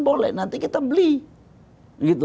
boleh nanti kita beli